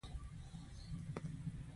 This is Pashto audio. د خوست په علي شیر کې د سمنټو مواد شته.